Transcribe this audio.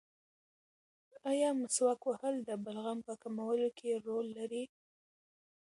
ایا مسواک وهل د بلغم په کمولو کې رول لري؟